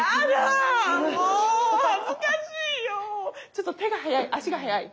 ちょっと手が早い？